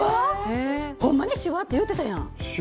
ほんまにしゅわっていうてたやん！